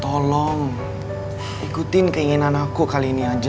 tolong ikutin keinginan aku kali ini aja